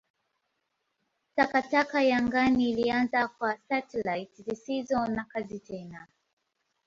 Takataka ya angani ilianza kwa satelaiti zisizo na kazi tena.